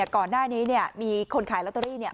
ก่อนหน้านี้มีคนขายลอตเตอรี่